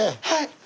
はい。